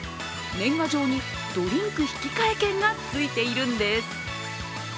年賀状にドリンク引換券がついているんです。